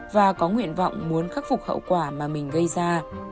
và có nguyện vọng muốn khắc phục hậu quả mà mình gây ra